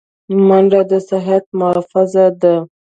منډه د صحت محافظه ده